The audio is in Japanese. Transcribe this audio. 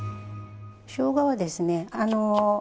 しょうがはですね